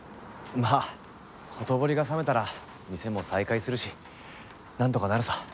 まあほとぼりが冷めたら店も再開するしなんとかなるさ。